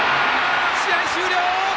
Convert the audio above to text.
試合終了！